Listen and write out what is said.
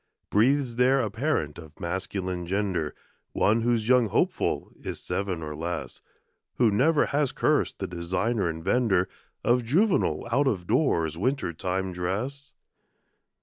Breathes there a parent of masculine gender, One whose young hopeful is seven or less, Who never has cursed the designer and vender Of juvenile out of doors winter time dress?